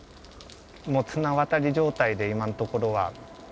もう綱渡り状態で、今のところは。